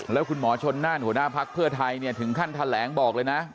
แล้วคุณหมอชนน่านหัวหน้าภักดิ์เพื่อไทยเนี่ยถึงขั้นแถลงบอกเลยนะ